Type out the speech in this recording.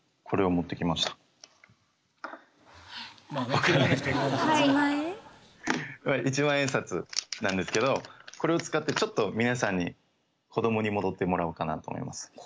これ一万円札なんですけどこれを使ってちょっと皆さんに子どもに戻ってもらおうかなと思います。